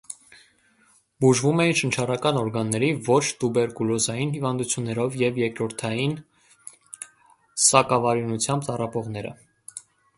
Բուժվում էին շնչառական օրգանների ոչ տուբերկուլոզային հիվանդություններով և երկրորդային սակավարյունությամբ տառապողները։